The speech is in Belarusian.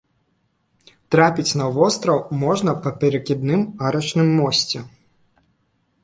Трапіць на востраў можна па перакідным арачным мосце.